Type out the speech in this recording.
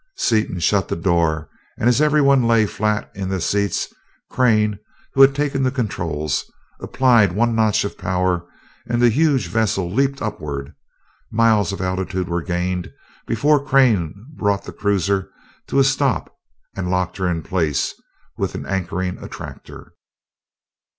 Seaton shut the door, and as everyone lay flat in the seats Crane, who had taken the controls, applied one notch of power and the huge vessel leaped upward. Miles of altitude were gained before Crane brought the cruiser to a stop and locked her in place with an anchoring attractor.